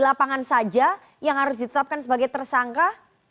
di lapangan saja yang harus ditetapkan sebagai tersangka